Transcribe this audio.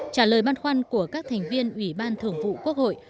trả lời băn khoăn của các thành viên ủy ban thường vụ quốc hội